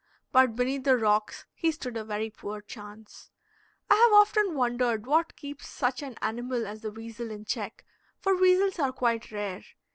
But beneath the rocks he stood a very poor chance. I have often wondered what keeps such an animal as the weasel in check, for weasels are quite rare.